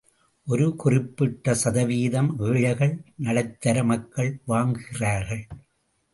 ஒரு குறிப்பிட்ட சதவீதம் ஏழைகள், நடுத்தர மக்கள் வாங்குகிறார்கள்.